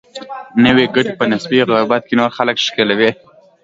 نوي ګټې په نسبي غربت کې نور خلک ښکېلوي.